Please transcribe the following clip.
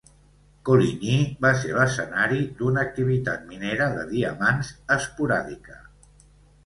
Coligny va ser l'escenari d'una activitat minera de diamants esporàdica.